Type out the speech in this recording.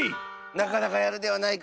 なかなかやるではないか。